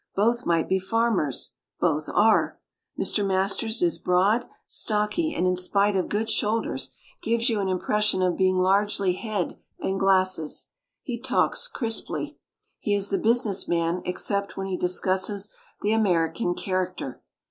Both might be farmers — ^both are! Mr. Masters is broad, stocky, and in spite of good shoulders gives you an impression of being largely head and glasses. He talks crisply. He is the business man except when he discusses the Ameri can character.